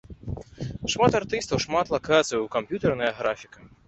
Шмат артыстаў, шмат лакацыяў, камп'ютарная графіка.